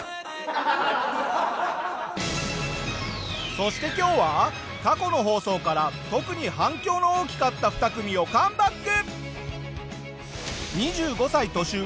そして今日は過去の放送から特に反響の大きかった２組をカムバック！